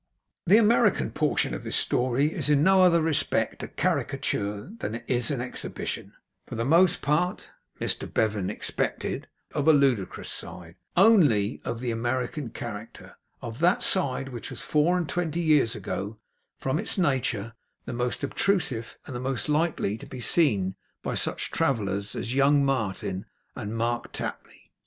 The American portion of this story is in no other respect a caricature than as it is an exhibition, for the most part (Mr Bevan expected), of a ludicrous side, ONLY, of the American character of that side which was, four and twenty years ago, from its nature, the most obtrusive, and the most likely to be seen by such travellers as Young Martin and Mark Tapley.